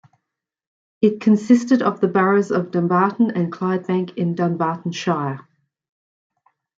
It consisted of the burghs of Dumbarton and Clydebank in Dunbartonshire.